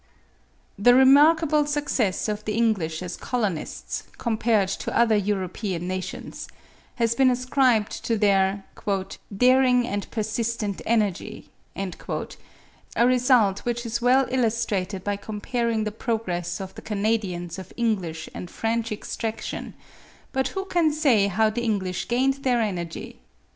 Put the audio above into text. The remarkable success of the English as colonists, compared to other European nations, has been ascribed to their "daring and persistent energy"; a result which is well illustrated by comparing the progress of the Canadians of English and French extraction; but who can say how the English gained their energy?